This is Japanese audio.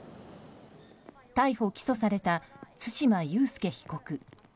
逮捕・起訴された対馬悠介被告。